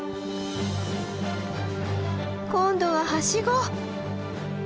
今度はハシゴ。